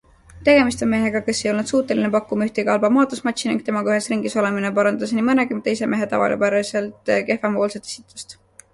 Tegemist on mehega, kes ei olnud suuteline pakkuma ühtegi halba maadlusmatši ning temaga ühes ringis olemine parandas nii mõnegi teise mehe tavapäraselt kehvemapoolset esitust.